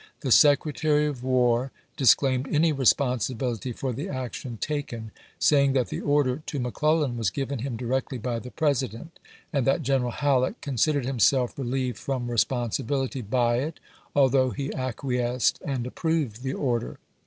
The Secretary of War disclaimed any responsibility for the action taken, saying that the order to Mc Clellan was given him directly by the President, and that General Halleck considered himself re lieved from responsibility by it, although he acqui esced and approved the order.